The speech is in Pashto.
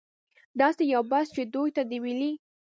داسې یو بحث چې دوی ته د ملي